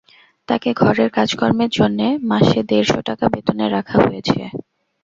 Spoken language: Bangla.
তাকে ঘরের কাজকর্মের জন্যে মাসে দেড় শ টাকা বেতনে রাখা হয়েছে।